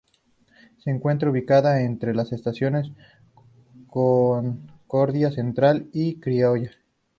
Se encuentra ubicada entre las estaciones Concordia Central y La Criolla.